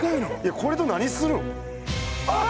・これと何するん・ああっ！